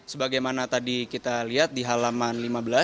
sebagaimana tadi kita lihat di halaman lima belas